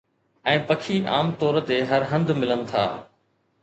۽ پکي عام طور تي هر هنڌ ملن ٿا